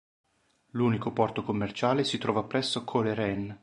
L'unico porto commerciale si trova presso Coleraine.